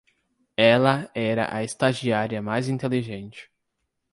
Ela era a estagiária mais inteligente